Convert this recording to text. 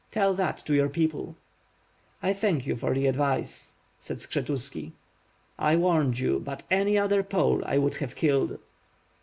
Tell that to your people/' "I thank you for the advice," said Skshetuski. "I warned you; but any other Pole I would have killed."